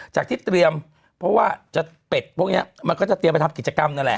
จากที่เตรียมเพราะว่าจะเป็ดพวกนี้มันก็จะเตรียมไปทำกิจกรรมนั่นแหละ